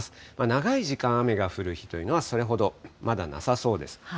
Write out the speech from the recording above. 長い時間雨が降る日というのはそれほどまだなさそうです。